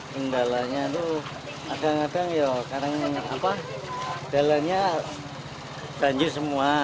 kendalanya itu agak agak ya kadang kadang kendalanya banjir semua